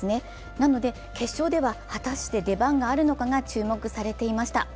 なので決勝では果たして出番があるのかが注目されていました。